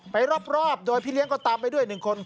ไปรอบโดยพี่เลี้ยงก็ตามไปด้วย๑คน